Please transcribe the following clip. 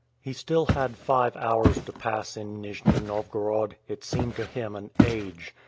He had still five hours to pass in Nijni Novgorod; it seemed to him an age.